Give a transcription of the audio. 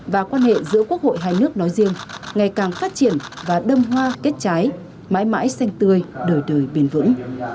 và quan hệ giữa quốc hội hai nước nói riêng ngày càng phát triển và đâm hoa kết trái mãi mãi xanh tươi đời đời bền vững